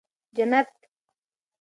جنت